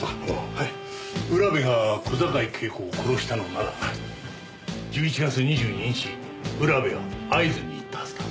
浦部が小坂井恵子を殺したのなら１１月２２日浦部は会津に行ったはずだ。